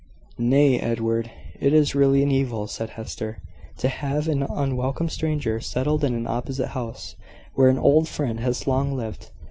"Nay, Edward, it is really an evil," said Hester, "to have an unwelcome stranger settled in an opposite house, where an old friend has long lived.